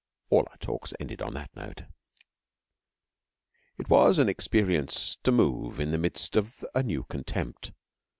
All our talks ended on that note. It was an experience to move in the midst of a new contempt.